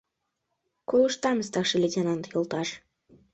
— Колыштам, старший лейтенант йолташ!